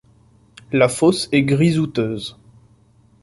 La fosse est grisouteuse.